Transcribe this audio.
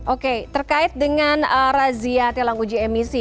oke terkait dengan razia tilang uji emisi